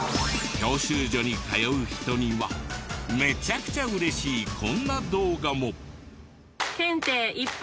教習所に通う人にはめちゃくちゃ嬉しいこんな動画も。